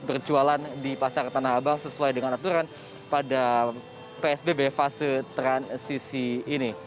berjualan di pasar tanah abang sesuai dengan aturan pada psbb fase transisi ini